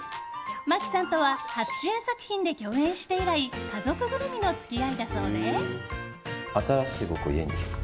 真木さんとは初主演作品で共演して以来家族ぐるみの付き合いだそうで。